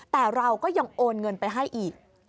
แต่เราก็ยังโอนเงินไปให้อีก